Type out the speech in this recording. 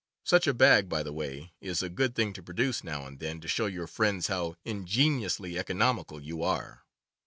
Such a bag, by the way, is a good thing to produce now and then to show your friends how ingeniously economical you are.